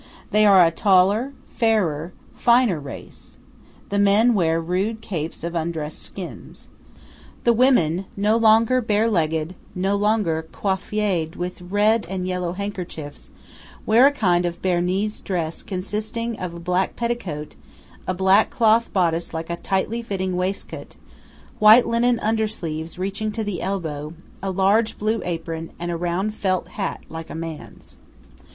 They are a taller, fairer, finer race. The men wear rude capes of undressed skins. The women (no longer bare legged, no longer coiffées with red and yellow handkerchiefs) wear a kind of Bernese dress consisting of a black petticoat, a black cloth bodice like a tightly fitting waistcoat, white linen undersleeves reaching to the elbow, a large blue apron, and a round felt hat, like a man's.